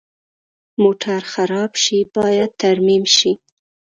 موټر خراب شي، باید ترمیم شي.